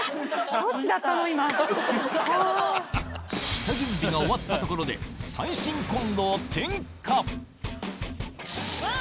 下準備が終わったところで最新コンロをうわ！